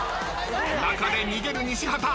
［中で逃げる西畑］